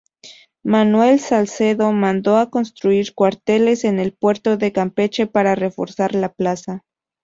Manuel Salcedo mandó construir cuarteles en el puerto de Campeche para reforzar la plaza.